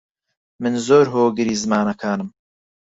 من زۆر هۆگری زمانەکانم.